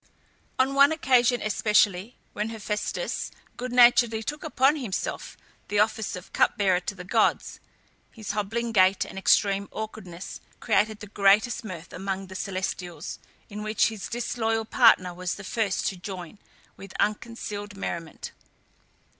On one occasion especially, when Hephæstus good naturedly took upon himself the office of cup bearer to the gods, his hobbling gait and extreme awkwardness created the greatest mirth amongst the celestials, in which his disloyal partner was the first to join, with unconcealed merriment.